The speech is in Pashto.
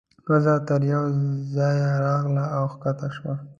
ښځه تر یوه ځایه راغله او کښته شوه.